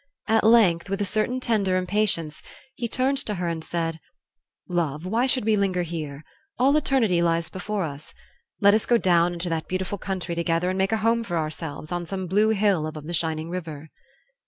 At length, with a certain tender impatience, he turned to her and said: "Love, why should we linger here? All eternity lies before us. Let us go down into that beautiful country together and make a home for ourselves on some blue hill above the shining river."